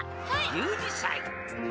１２さい。